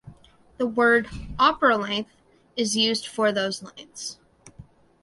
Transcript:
The word "opera length" is used for those lengths.